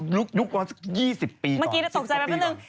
ยุคว่าสัก๒๐ปีก่อน